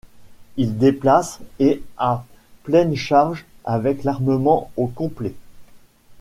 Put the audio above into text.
Il déplace et à pleine charge avec l’armement au complet.